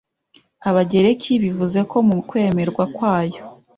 Abagereki bivuze ko mu kwemerwa kwayo